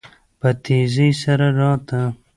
په تيزی سره راته.